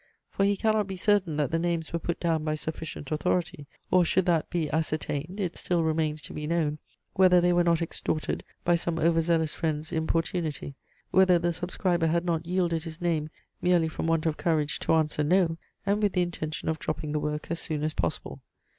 For he cannot be certain that the names were put down by sufficient authority; or, should that be ascertained, it still remains to be known, whether they were not extorted by some over zealous friend's importunity; whether the subscriber had not yielded his name, merely from want of courage to answer, no; and with the intention of dropping the work as soon as possible.